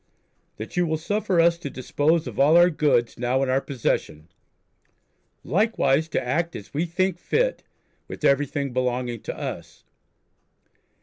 That you will suffer us to dispose of all our goods now in our possesion. Likewise, to act as we think fit with everything belonging to us....